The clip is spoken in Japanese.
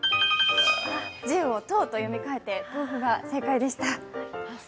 １０を「とう」と読み替えて豆腐でした。